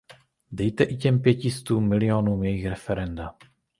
Dejte i těm pěti stům milionům jejich referenda.